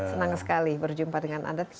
senang sekali berjumpa dengan anda